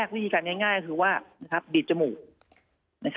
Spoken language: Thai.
วิธีการง่ายคือว่ามันบีบจมูก